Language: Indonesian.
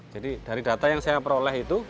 jadi dari data yang saya peroleh itu